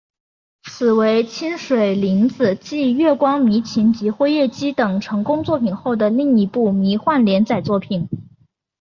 此为清水玲子继月光迷情及辉夜姬等成功作品后的另一部科幻连载作品。